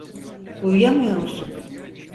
Uyuyamıyor musun?